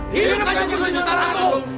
hidup kanjeng gusti sultan agung